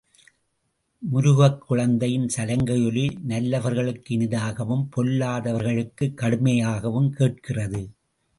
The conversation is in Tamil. முருகக் குழந்தையின் சலங்கையொலி நல்லவர்களுக்கு இனிதாகவும் பொல்லாதவர்களுக்குக் கடுமையாகவும் கேட்கிறது.